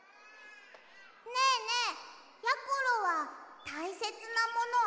ねえねえやころはたいせつなものある？